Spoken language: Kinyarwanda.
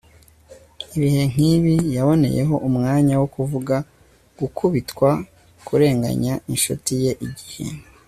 ibihe nkibi yaboneyeho umwanya wo kuvuga gukubitwa kurenganya inshuti ye, igihe